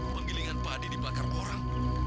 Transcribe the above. penggilingan pak adi dibakar orang